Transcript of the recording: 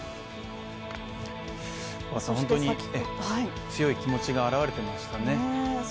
本当に強い気持ちがあらわれていましたね。